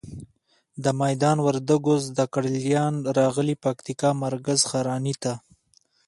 د میدان وردګو زده ګړالیان راغلي پکتیکا مرکز ښرنی ته.